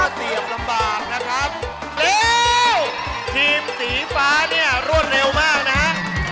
เสียบลำบากนะครับแล้วทีมสีฟ้าเนี่ยรวดเร็วมากนะฮะ